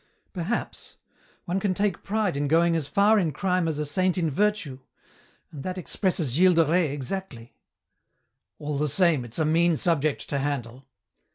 "Perhaps. One can take pride in going as far in crime as a saint in virtue. And that expresses Gilles de Rais exactly." "All the same, it's a mean subject to handle."